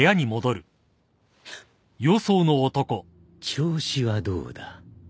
調子はどうだ？